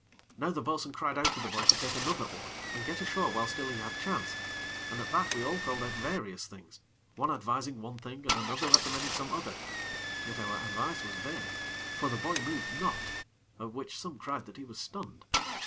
Now the bo'sun cried out to the boy to take another oar, and get ashore while still he had chance, and at that we all called out various things, one advising one thing, and another recommending some other; yet our advice was vain, for the boy moved not, at which some cried out that he was stunned.